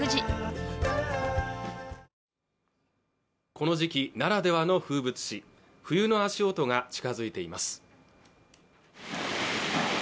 この時期ならではの風物詩冬の足音が近づいています